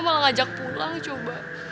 malah ngajak pulang coba